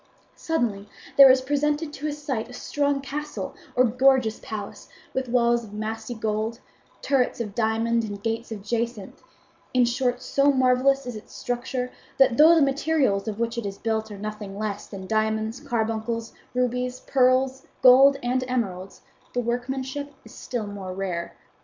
"Suddenly there is presented to his sight a strong castle or gorgeous palace with walls of massy gold, turrets of diamond and gates of jacinth; in short, so marvellous is its structure that though the materials of which it is built are nothing less than diamonds, carbuncles, rubies, pearls, gold, and emeralds, the workmanship is still more rare.